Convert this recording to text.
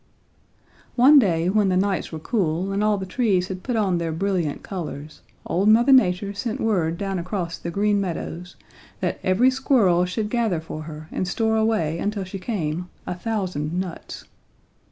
"One day, when the nights were cool and all the trees had put on their brilliant colors, old Mother Nature sent word down across the Green Meadows that every squirrel should gather for her and store away until she came a thousand nuts.